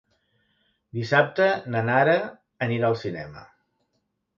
Dissabte na Nara anirà al cinema.